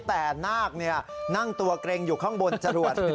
แต่หน้าเนี่ยนั่งตัวกรีงอยู่ข้างบนจรวจ